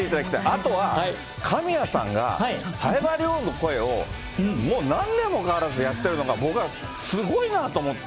あと、神谷さんが冴羽りょうの声を、もう何年も変わらずやっているのが、僕はすごいなと思って。